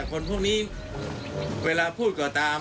คนเพลาพูดก่อตาม